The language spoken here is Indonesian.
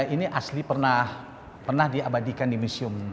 ini asli pernah diabadikan di museum nasional jawa tenggara